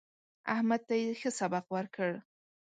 احمد ته يې ښه سبق ورکړ.